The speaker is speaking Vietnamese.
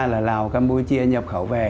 là lào campuchia nhập khẩu về